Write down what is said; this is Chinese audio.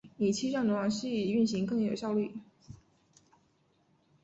以期让浏览器运行更有效率。